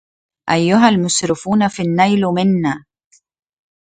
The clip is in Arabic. أيها المسرفون في النيل منا